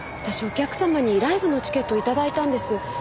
私お客様にライブのチケットを頂いたんです。